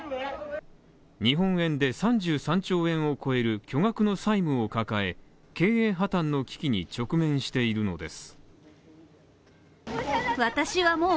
日本円で３３兆円を超える巨額の債務を抱え経営破綻の危機に直面しているのです。